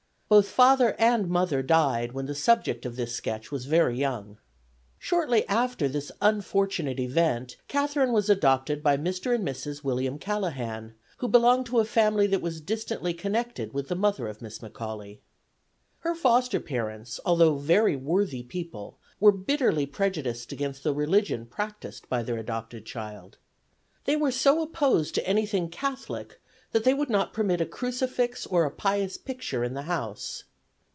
Both father and mother died when the subject of this sketch was very young. Shortly after this unfortunate event Catherine was adopted by Mr. and Mrs. William Callahan, who belonged to a family that was distantly connected with the mother of Miss McAuley. Her foster parents, although very worthy people, were bitterly prejudiced against the religion practiced by their adopted child. They were so opposed to anything Catholic that they would not permit a crucifix or a pious picture in the house.